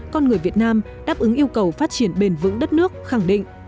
con người việt nam đáp ứng yêu cầu phát triển bền vững đất nước khẳng định